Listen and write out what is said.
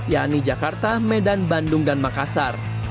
yakni jakarta medan bandung dan makassar